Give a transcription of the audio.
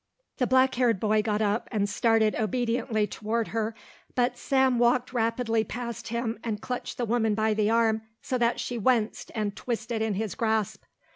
The black haired boy got up and started obediently toward her, but Sam walked rapidly past him and clutched the woman by the arm so that she winced and twisted in his grasp.